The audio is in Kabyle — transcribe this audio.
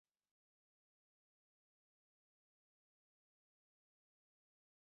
Tikkal, tettilid d agrudan mliḥ.